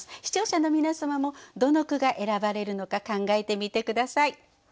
視聴者の皆様もどの句が選ばれるのか考えてみて下さい。